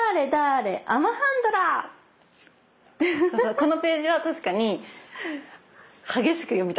このページは確かに激しく読みたくなる。